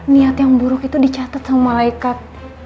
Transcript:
niat yang buruk itu dicatat sama malaikat